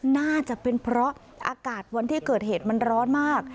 น่าจะเป็นเพราะอากาศวันที่เกิดเหตุมันร้อนมาก